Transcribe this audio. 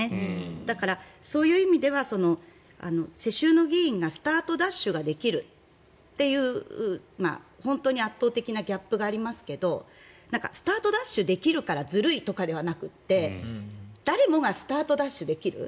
だから、そういう意味では世襲の議員がスタートダッシュができるという本当に圧倒的なギャップがありますけどスタートダッシュできるからずるいとかではなくて誰もがスタートダッシュできる。